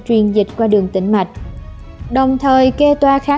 truyền dịch qua đường tỉnh mạch